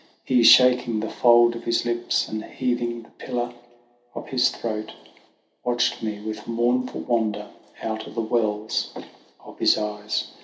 He, shaking the fold of his lips, and heaving the pillar of his throat, Watched me with mournful wonder out of the wells of his eyes.